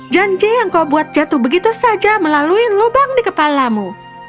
janji yang kau buat jatuh begitu saja melalui lubang di kepalamu